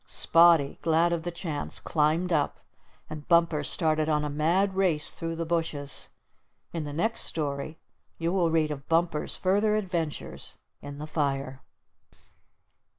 Spotty glad of the chance climbed up, and Bumper started on a mad race through the bushes. In the next story you will read of Bumper's further adventures in the fire.